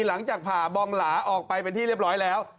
หลังจากผ่าบองหลาออกไปเป็นที่เรียบร้อยแล้ว